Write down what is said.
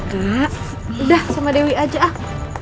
gak udah sama dewi aja ah